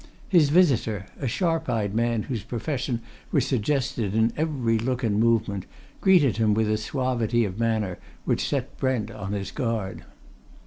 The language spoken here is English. His visitor, a sharp eyed man whose profession was suggested in every look and movement, greeted him with a suavity of manner which set Brent on his guard.